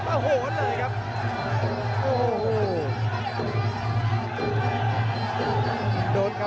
โอ้โหเลยครับ